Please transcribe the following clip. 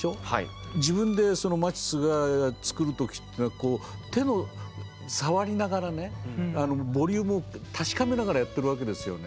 自分でそのマティスが作る時っていうのは手の触りながらねボリュームを確かめながらやってるわけですよね。